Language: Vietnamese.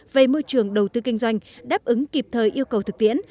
về môi trường đầu tư kinh doanh đáp ứng kịp thời yêu cầu thực tiễn